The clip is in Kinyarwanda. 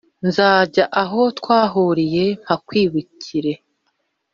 Nzajya aho twahuriye mpakwibukire